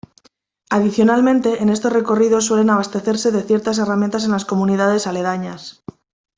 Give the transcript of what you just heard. Adicionalmente, en estos recorridos suelen abastecerse de ciertas herramientas en las comunidades aledañas.